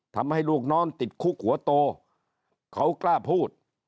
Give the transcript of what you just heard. ทำให้ลูกนอนติดคุกหัวโตเขากล้าพูด